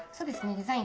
デザイン